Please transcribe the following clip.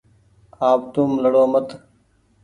آپ توم لڙو مت